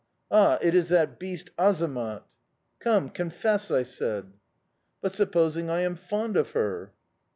Ah, it is that beast Azamat!... Come, confess!' I said. "'But, supposing I am fond of her?